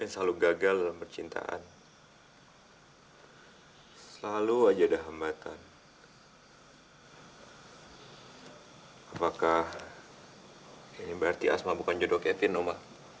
sampai jumpa di video selanjutnya